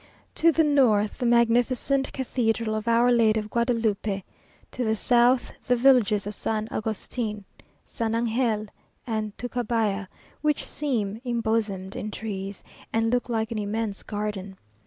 To the north, the magnificent cathedral of Our Lady of Guadalupe to the south, the villages of San Augustin, San Angel, and Tacubaya, which seem imbosomed in trees, and look like an immense garden.